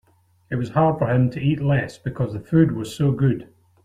It was hard for him to eat less because the food was so good.